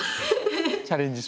チャレンジ